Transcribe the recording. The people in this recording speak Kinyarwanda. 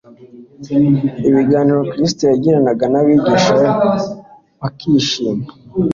Ibiganiro Kristo yagiranaga n'abigishwa be bakabishima,